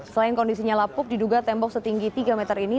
selain kondisinya lapuk diduga tembok setinggi tiga meter ini